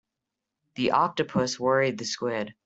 The octopus worried the squid.